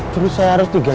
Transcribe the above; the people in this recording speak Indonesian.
terus saya harus digaji